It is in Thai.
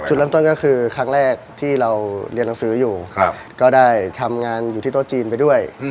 เริ่มต้นก็คือครั้งแรกที่เราเรียนหนังสืออยู่ก็ได้ทำงานอยู่ที่โต๊ะจีนไปด้วย